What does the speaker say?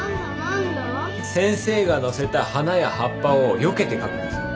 先生がのせた花や葉っぱをよけて書くんだぞ。